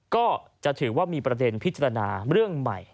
ก็จะถือว่ามีประเด็นพิจารณาเรื่องใหม่